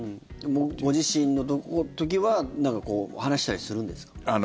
ご自身の時は何か話したりするんですか？